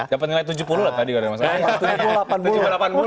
dapat nilai tujuh puluh lah tadi kalau ada masalah